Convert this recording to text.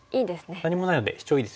何もないのでシチョウいいですよね。